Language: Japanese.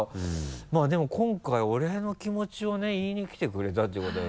まぁでも今回お礼の気持ちをね言いに来てくれたということで。